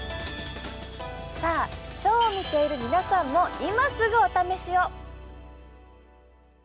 さあショーを見ている皆さんも、今すぐお試しを！